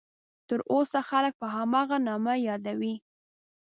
تر اوسه خلک په هماغه نامه یادوي.